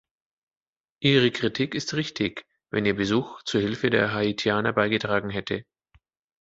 Ihre Kritik ist richtig, wenn ihr Besuch zur Hilfe der Haitianer beigetragen hätte.